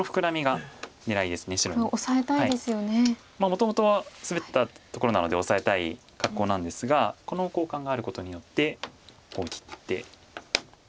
もともとスベったところなのでオサえたい格好なんですがこの交換があることによってここを切って。